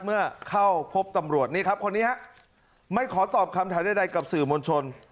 เมื่อเข้าพบตำรวจนี่ครับคนนี้ฮะไม่ขอตอบคำถามใดกับสื่อมวลชน